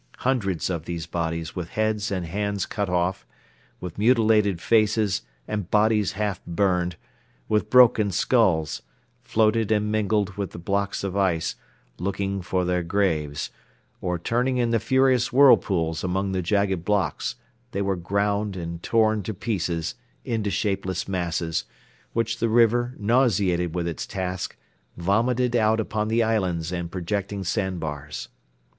Hundreds of these bodies with heads and hands cut off, with mutilated faces and bodies half burned, with broken skulls, floated and mingled with the blocks of ice, looking for their graves; or, turning in the furious whirlpools among the jagged blocks, they were ground and torn to pieces into shapeless masses, which the river, nauseated with its task, vomited out upon the islands and projecting sand bars.